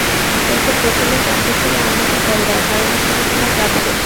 কিন্তু প্রথমে, ক্যাম্পে ফিরে আম্মুকে কল দাও কারন এখানে তোমার কাজ শেষ।